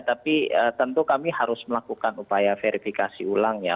tapi tentu kami harus melakukan upaya verifikasi ulang ya